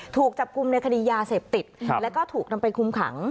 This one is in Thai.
ถูกจับกลุ่มในคดียาเสพติดแล้วก็ถูกนำไปคุมขัง